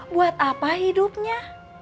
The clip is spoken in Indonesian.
buat apa hidupnya